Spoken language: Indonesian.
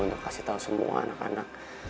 untuk kasih tahu semua anak anak